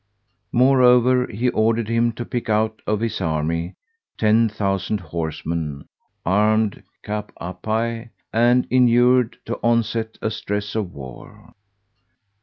Moreover, he ordered him to pick out of his army ten thousand horsemen, armed cap à pie and inured to onset and stress of war.